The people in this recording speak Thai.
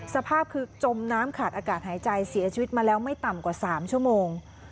สภาพคือจมน้ำขาดอากาศหายใจเสียชีวิตมาแล้วไม่ต่ำกว่า๓ชั่วโมง